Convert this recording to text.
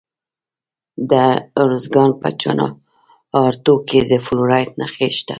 د ارزګان په چنارتو کې د فلورایټ نښې شته.